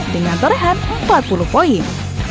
dengan torehan empat puluh poin